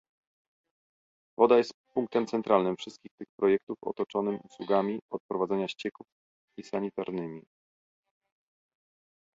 Woda jest punktem centralnym wszystkich tych projektów otoczonym usługami odprowadzania ścieków i sanitarnymi